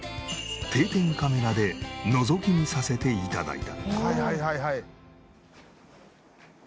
定点カメラでのぞき見させて頂いた。